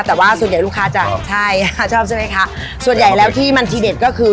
แต่ว่าส่วนใหญ่ลูกค้าจะใช่ค่ะชอบใช่ไหมคะส่วนใหญ่แล้วที่มันทีเด็ดก็คือ